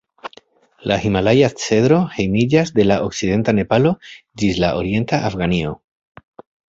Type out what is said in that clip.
La himalaja-cedro hejmiĝas de la okcidenta Nepalo ĝis la orienta Afganio.